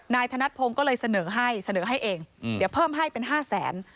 ธนัดพงศ์ก็เลยเสนอให้เสนอให้เองเดี๋ยวเพิ่มให้เป็น๕แสน